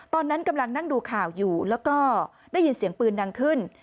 ตอนนั้นกำลังนั่งดูข่าวอยู่แล้วก็ได้ยินเสียงปืนดังขึ้น